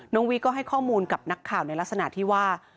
วีก็ให้ข้อมูลกับนักข่าวในลักษณะที่ว่า